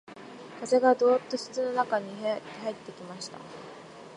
風がどうっと室の中に入ってきました